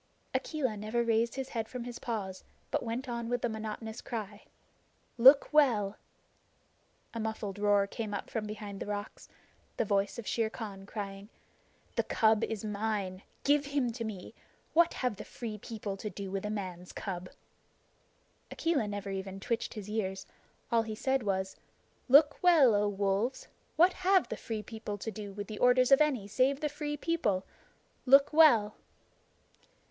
Akela never raised his head from his paws, but went on with the monotonous cry: "Look well!" A muffled roar came up from behind the rocks the voice of Shere Khan crying: "The cub is mine. Give him to me. What have the Free People to do with a man's cub?" Akela never even twitched his ears. All he said was: "Look well, O Wolves! What have the Free People to do with the orders of any save the Free People? Look well!"